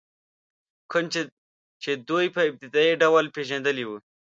کوم چې دوی په ابتدایي ډول پېژندلي وي.